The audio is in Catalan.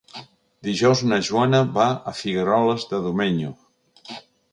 Dijous na Joana va a Figueroles de Domenyo.